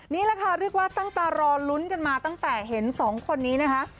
นี่แหละค่ะเรียกว่าตั้งตารอลุ้นกันมาตั้งแต่เห็นสองคนนี้นะคะ